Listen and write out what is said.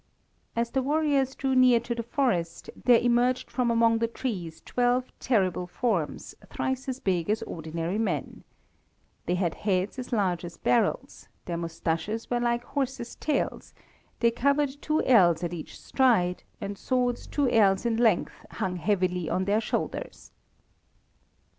As the warriors drew near to the forest, there emerged from among the trees twelve terrible forms, thrice as big as ordinary men. They had heads as large as barrels, their moustaches were like horses' tails, they covered two ells at each stride, and swords two ells in length hung heavily on their shoulders.